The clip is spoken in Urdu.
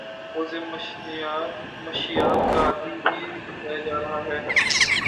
ملزم مشیات کا عادی بھی بتایا جا رہا ہے